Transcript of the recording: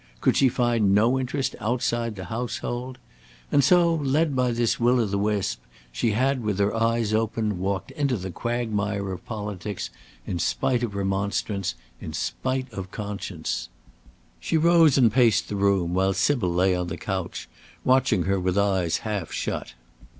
could she find no interest outside the household? And so, led by this will of the wisp, she had, with her eyes open, walked into the quagmire of politics, in spite of remonstrance, in spite of conscience. She rose and paced the room, while Sybil lay on the couch, watching her with eyes half shut.